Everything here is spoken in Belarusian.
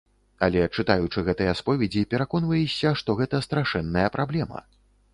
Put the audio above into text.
Але, чытаючы гэтыя споведзі, пераконваешся, што гэта страшэнная праблема.